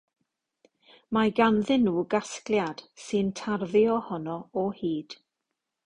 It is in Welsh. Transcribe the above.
Mae ganddyn nhw gasgliad sy'n tarddu ohono o hyd.